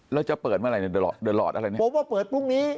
แล้วจะเปิดเมื่อไหร่หลอดอะไรเนี่ยผมว่าเปิดพรุ่งนี้